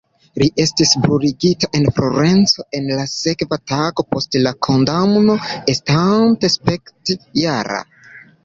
Li estis bruligita en Florenco en la sekva tago post la kondamno, estante sepdek-jara.